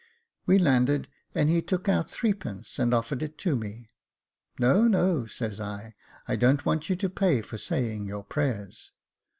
We landed, and he took out three pence, and offered it to me. " No, no," said I, "I don't want you to pay for saying your prayers."